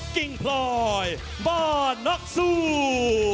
กิงปลอยบ้านกสู้